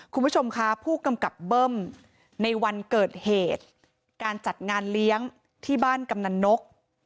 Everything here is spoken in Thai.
คุณผู้ชมคะผู้กำกับเบิ้มในวันเกิดเหตุการจัดงานเลี้ยงที่บ้านกำนันนก